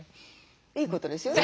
いいことですよね。